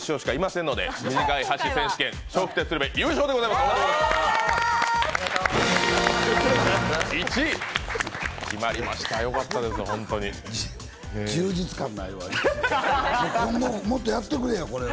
今後、もっとやってくれよこれを。